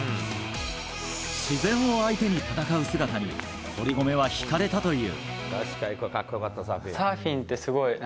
自然を相手に戦う姿に堀米は引かれたという。